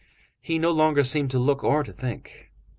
He no longer seemed to look or to think.